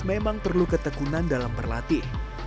memang perlu ketekunan dalam berlatih